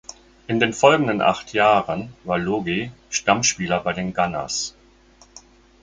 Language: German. In den folgenden acht Jahren war Logie Stammspieler bei den „Gunners“.